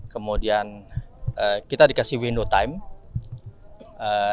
kemudian kita dikasih window time